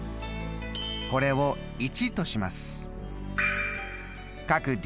これを①とします。